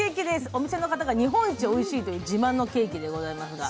お店の方が日本一おいしいという自慢のケーキでございますが。